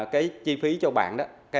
chi phí cho bạn